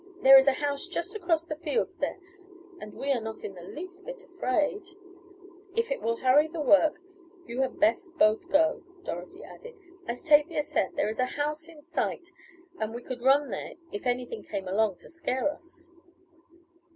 "There is a house just across the fields there and we are not the least bit afraid " "If it will hurry the work you had best both go," Dorothy added. "As Tavia says, there is a house in sight, and we could run there if anything came along to scare us."